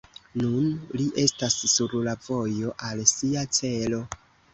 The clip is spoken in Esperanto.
Nun li estas sur la vojo al sia celo.